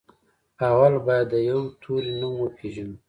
اول بايد د يوه توري نوم وپېژنو.